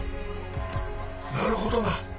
なるほどな！